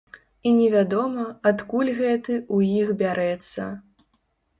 І невядома, адкуль гэты ў іх бярэцца.